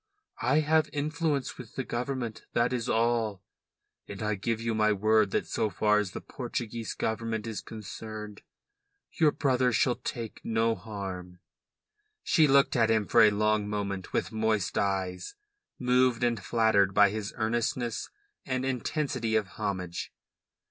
I have influence with the Government, that is all; and I give you my word that so far as the Portuguese Government is concerned your brother shall take no harm." She looked at him for a long moment with moist eyes, moved and flattered by his earnestness and intensity of homage.